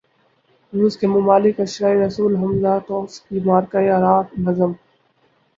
روس کے ملک اشعراء رسول ہمزہ توف کی مارکہ آرا نظم